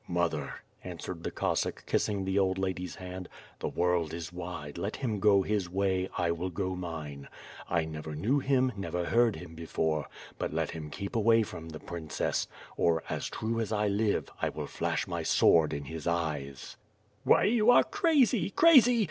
"Mother," answered the Cossack, kissing the old lady's hand, "the world is wide, let him go his way, I will go mine. I never knew him, never heard him before, but let him keep away from the princess, or, as true as I live, I will flash my sword in his eyes." 5 WITH FIRE AND SWORD. "Why you are crazy, crazy!